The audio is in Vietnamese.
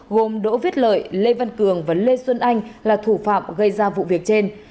gồm đỗ viết lợi lê văn cường và lê xuân anh là thủ phạm gây ra vụ việc trên